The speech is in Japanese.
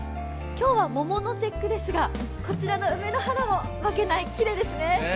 今日は桃の節句ですが、こちらの梅の花も負けない、きれいですね。